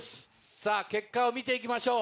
さぁ結果を見て行きましょう。